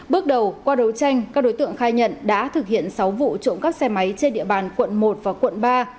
bước đầu qua đấu tranh các đối tượng khai nhận đã thực hiện sáu vụ trộm cắp xe máy trên địa bàn quận một và quận ba